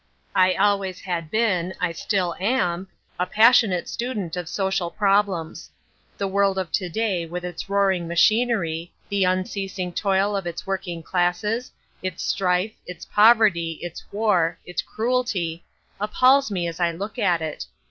I always had been, I still am, a passionate student of social problems. The world of to day with its roaring machinery, the unceasing toil of its working classes, its strife, its poverty, its war, its cruelty, appals me as I look at it.